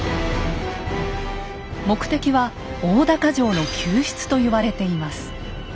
目的は大高城の救出と言われています。